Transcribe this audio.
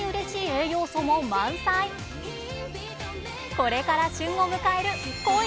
これから旬を迎える「コイ」。